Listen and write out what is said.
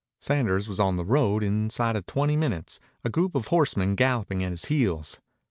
Sanders was on the road inside of twenty minutes, a group of horsemen galloping at his heels.